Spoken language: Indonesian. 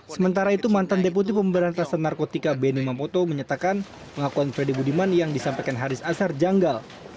sementara itu mantan deputi pemberantasan narkotika benny mamoto menyatakan pengakuan freddy budiman yang disampaikan haris azhar janggal